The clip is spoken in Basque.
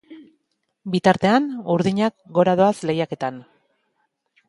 Bitartean, urdinak gora doaz lehiaketan.